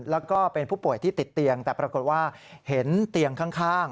แล้วก็เป็นผู้ป่วยที่ติดเตียงแต่ปรากฏว่าเห็นเตียงข้าง